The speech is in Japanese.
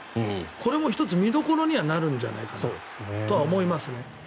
これも１つ見どころにはなるんじゃないかなと思います。